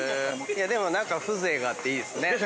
何か風情があっていいですね。